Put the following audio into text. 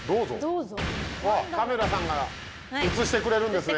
カメラさんが映してくれるんですね。